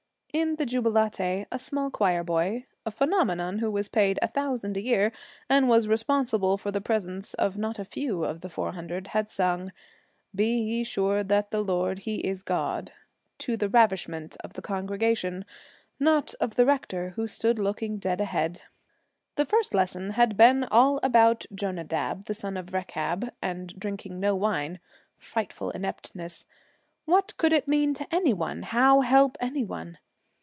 In the Jubilate, a small choir boy a phenomenon who was paid a thousand a year, and was responsible for the presence of not a few of the four hundred had sung 'Be sure ye that the Lord he is God,' to the ravishment of the congregation not of the rector, who stood looking dead ahead. The First Lesson had been all about Jonadab, the son of Rechab, and drinking no wine frightful ineptness! What could it mean to any one? how help any one?